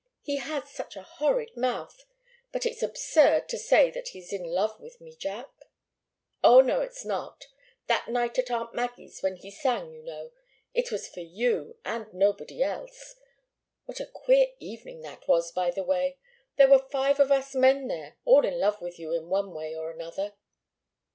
"He has such a horrid mouth! But it's absurd to say that he's in love with me, Jack." "Oh, no, it's not! That night at aunt Maggie's, when he sang, you know it was for you and nobody else. What a queer evening that was, by the way! There were five of us men there, all in love with you in one way or another."